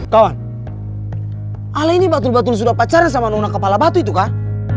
kawan ala ini batun batun sudah pacaran sama nona kepala batu itu kan